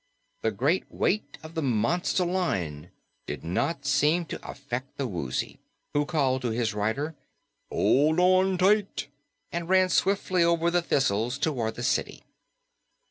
The great weight of the monster Lion did not seem to affect the Woozy, who called to his rider, "Hold on tight!" and ran swiftly over the thistles toward the city.